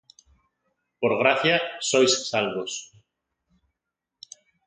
por gracia sois salvos;